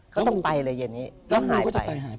ก็ต้องไปเลยเย็นนี้แล้วหายไป